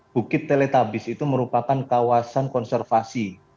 bukit teletabis itu merupakan kawasan konservasi